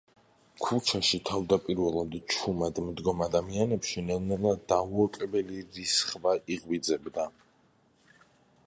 ქუჩაში თავდაპირველად ჩუმად მდგომ ადამიანებში ნელ-ნელა დაუოკებელი რისხვა იღვიძებდა.